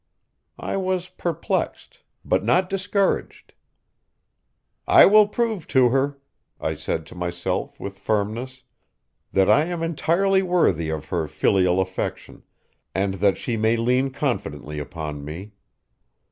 I was perplexed but not discouraged. "I will prove to her," I said to myself with firmness, "that I am entirely worthy of her filial affection, and that she may lean confidently upon me."